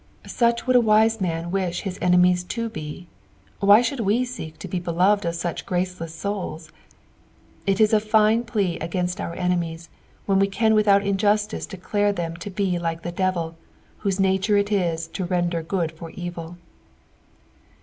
Such would a wise man wish his enemies to be. Why should we seek to be beloved of such grsceless souls t It is a fine plea against our enemies when we can without lujnatice declare them to be like the devil, whose nature it is to render good for evil.